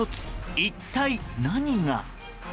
一体何が。